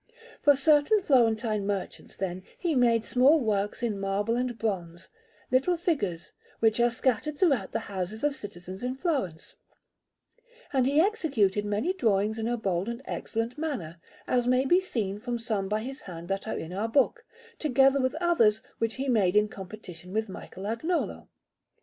For certain Florentine merchants, then, he made small works in marble and bronze, little figures, which are scattered throughout the houses of citizens in Florence, and he executed many drawings in a bold and excellent manner, as may be seen from some by his hand that are in our book, together with others which he made in competition with Michelagnolo.